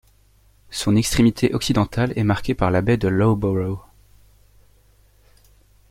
Son extrémité occidentale est marquée par la baie de Loughborough.